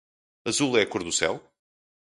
Azul é a cor do céu?